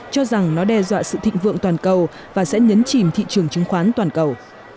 cho rằng nó đe dọa sự thịnh vượng toàn cầu và sẽ nhấn chìm thị trường chứng khoán toàn cầu